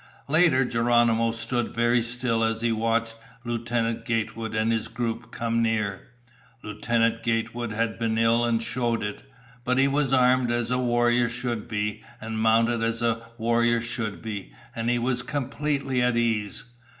Later Geronimo stood very still as he watched Lieutenant Gatewood and his group come near. Lieutenant Gatewood had been ill and showed it. But he was armed as a warrior should be, and mounted as a warrior should be, and he was completely at ease.